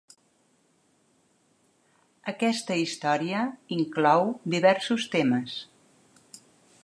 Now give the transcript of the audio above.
Aquesta història inclou diversos temes.